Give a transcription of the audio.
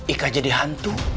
ika jadi hantu